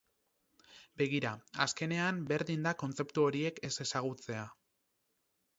Begira, azkenean berdin da kontzeptu horiek ez ezagutzea.